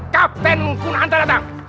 kapten kunanta datang